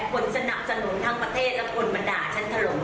คนสนับสนุนทั้งประเทศและคนมาด่าฉันถล่ม